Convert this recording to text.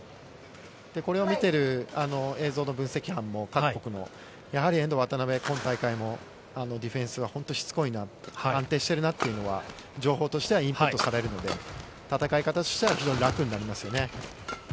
これを見てる映像の分析班も、各国もやはり遠藤・渡辺、今大会もディフェンスは本当しつこいな、安定してるなっていうのは情報としてはインプットされるので、戦い方としては非常に楽になりますよね。